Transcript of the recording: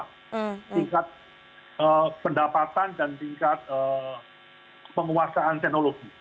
tingkat pendapatan dan tingkat penguasaan teknologi